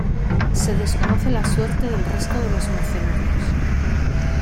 Se desconoce la suerte del resto de los mercenarios.